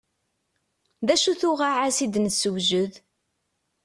D acu-t uɣaɛas i d-nessewjed?